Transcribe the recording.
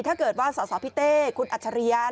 ถ้าเกิดว่าสสพี่เต้คุณอัจฉริยะ